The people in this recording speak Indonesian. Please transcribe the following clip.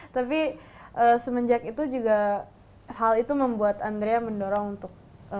tapi semenjak itu juga hal itu membuat andrea mendorong untuk